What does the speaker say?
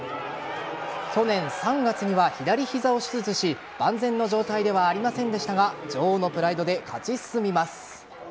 去年３月には、左膝を手術し万全の状態ではありませんでしたが女王のプライドで勝ち進みます。